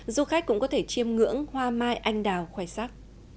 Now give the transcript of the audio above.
du khách cũng có thể chiêm ngưỡng hoa mai anh đào khoai sắc